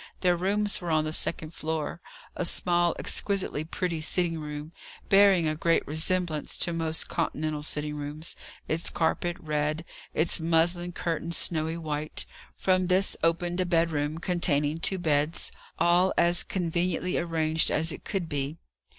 Their rooms were on the second floor a small, exquisitely pretty sitting room, bearing a great resemblance to most continental sitting rooms, its carpet red, its muslin curtains snowy white; from this opened a bed room containing two beds, all as conveniently arranged as it could be.